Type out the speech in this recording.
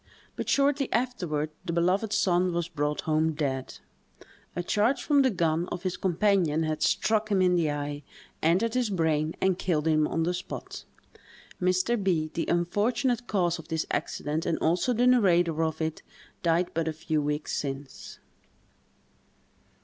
But shortly afterward the beloved son was brought home dead: a charge from the gun of his companion had struck him in the eye, entered his brain, and killed him on the spot. Mr. B——, the unfortunate cause of this accident and also the narrator of it, died but a few weeks since.